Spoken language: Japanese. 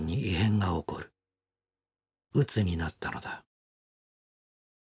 うつになったのだ。